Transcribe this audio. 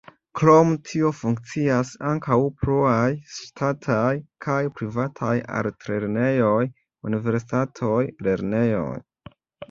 Krom tio funkcias ankaŭ pluaj ŝtataj kaj privataj altlernejoj, universitatoj, lernejoj.